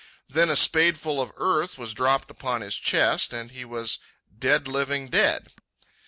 Then a spadeful of earth was dropped upon his chest and he was dead living dead.